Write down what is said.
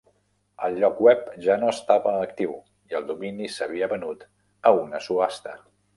El lloc web ja no estava actiu i el domini s'havia venut a una subhasta.